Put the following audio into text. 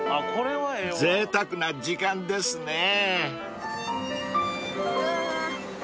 ［ぜいたくな時間ですねぇ］